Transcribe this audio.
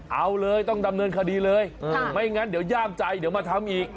เอาเลยต้องดำเนินคดีเลยไม่งั้นเดี๋ยวย่ามใจเดี๋ยวมาทำอีก